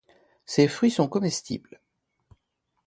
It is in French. Ses fruits sont comestibles.